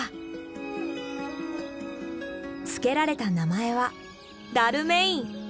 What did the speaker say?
付けられた名前は「ダルメイン」。